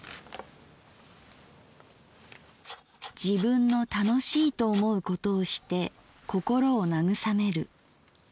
「自分の楽しいと思うことをして心を慰める。